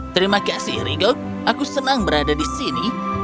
terima kasih rigo aku senang berada di sini